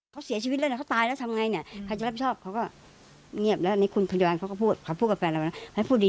เข้าภูมิถึงฐานทางโทรศัพท์ใช่แบบว่าให้ดูเหมือนพี่